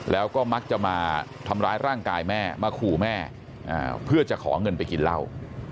แล้วก็มักจะมาทำร้ายร่างกายแม่มาขู่แม่เพื่อจะขอเงินไปกินเหล้า